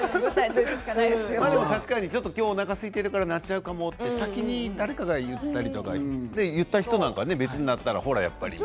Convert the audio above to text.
でも確かに今日おなかすいているから、鳴っちゃうかもと先に誰かが言ったりとかね言った人なんか鳴ったらね、ほらやっぱりって。